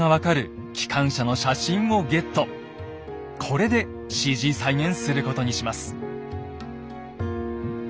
これでＣＧ再現することにします。